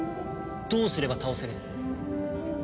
どうすれば倒せる？